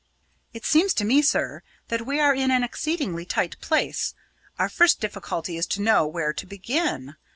"It seems to me, sir, that we are in an exceedingly tight place. Our first difficulty is to know where to begin.